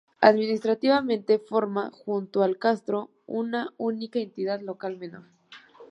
Administrativamente, forma, junto al Castro, una única Entidad Local Menor.